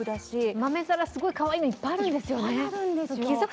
豆皿、すごいかわいいのいっぱいあるんですよね。